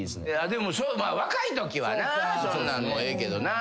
でも若いときはなそんなんもええけどな。